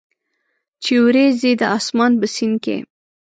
چې اوریځي د اسمان په سیند کې،